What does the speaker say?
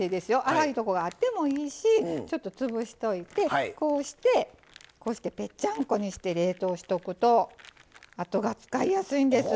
粗いとこがあってもいいしちょっと潰しといてこうしてぺっちゃんこにして冷凍しとくとあとが使いやすいんです。